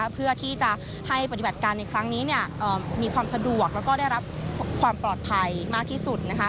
เพื่อที่จะให้ปฏิบัติการในครั้งนี้มีความสะดวกแล้วก็ได้รับความปลอดภัยมากที่สุด